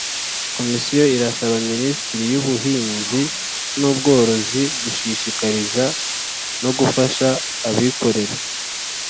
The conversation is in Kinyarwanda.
Komisiyo irasaba Minisiteri y Ubuhinzi n Ubworozi gushishikariza no gufasha abikorera